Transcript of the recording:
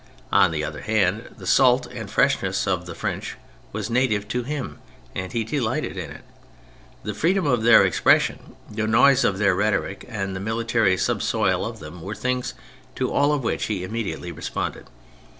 On the other hand, the salt and freshness of the French was native to him and he delighted in it ; the freedom of their expression, the noise of their rhetoric, and the military subsoil of them, were things to all of which he immediately responded.